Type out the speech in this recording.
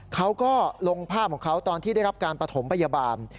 เขาก็ลงภาพของเขาตอนที่ได้รับการประถมพยาบาล